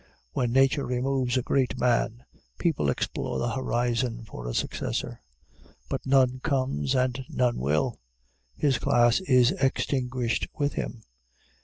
When nature removes a great man, people explore the horizon for a successor; but none comes, and none will. His class is extinguished with him.